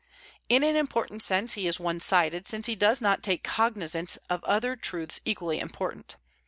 In an important sense he is one sided, since he does not take cognizance of other truths equally important.